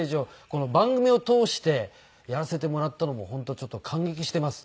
この番組を通してやらせてもらったのも本当ちょっと感激しています。